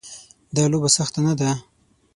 دا لوبه سخته نه ده.